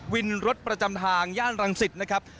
วินรถประจำทางย่านรังสิตนะครับ